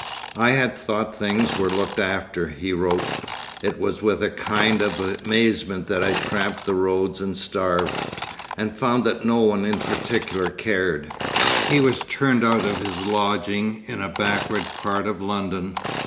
'I had thought things were looked after,' he wrote. 'It was with a kind of amazement that I tramped the roads and starved—and found that no one in particular cared.' He was turned out of his lodging in a backward part of London.